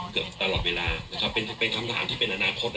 เกือบตลอดเวลานะครับเป็นคำถามที่เป็นอนาคต